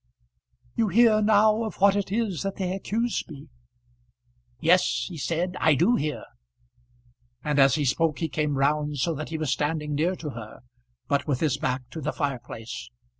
"You hear now of what it is that they accuse me." "Yes, he said; I do hear;" and as he spoke he came round so that he was standing near to her, but with his back to the fireplace.